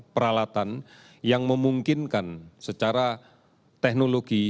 peralatan yang memungkinkan secara teknologi